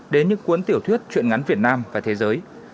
đến những cuốn tiểu thuyết chuyện ngắn việt nam và thế giới